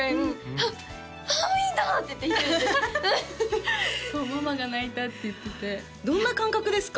「あっあーみんだ！」って言って一人でそうママが泣いたって言っててどんな感覚ですか？